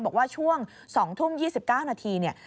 บอกว่าช่วง๒ทุ่ม๒๙นาที